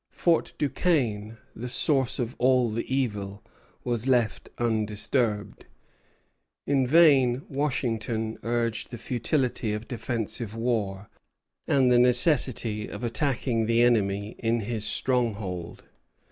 Fort Duquesne, the source of all the evil, was left undisturbed. In vain Washington urged the futility of defensive war, and the necessity of attacking the enemy in his stronghold.